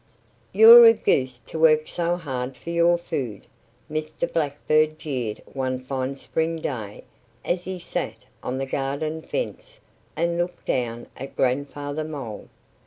"You're a goose to work so hard for your food," Mr. Blackbird jeered one fine spring day as he sat on the garden fence and looked down at Grandfather Mole.